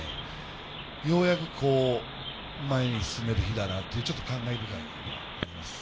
ようやくこう、前に進める日だなって、ちょっと感慨深いのはあります。